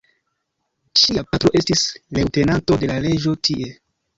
Ŝia patro estis leŭtenanto de la reĝo tie.